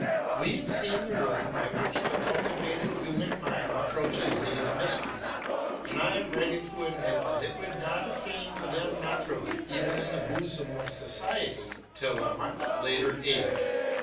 We have seen the road by which the cultivated human mind approaches these mysteries, and I am ready to admit that it would not attain to them naturally, even in the bosom of society, till a much later age.